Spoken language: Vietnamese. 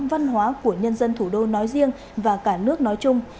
văn hóa của nhân dân thủ đô nói riêng và cả nước nói chung